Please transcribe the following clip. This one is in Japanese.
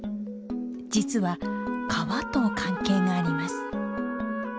実は川と関係があります。